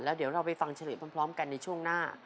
เดี๋ยวเราไปฟังเฉลยพร้อมกันในช่วงหน้า